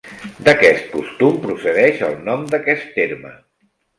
D'aquest costum procedeix el nom d'aquest terme.